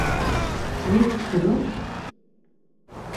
Mik ksinups?